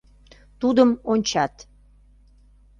Тудым ончат.